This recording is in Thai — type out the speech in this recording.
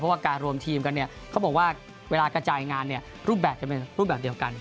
ว่าการรวมทีมกันเนี่ยเขาบอกว่าเวลากระจายงานเนี่ยรูปแบบจะเป็นรูปแบบเดียวกัน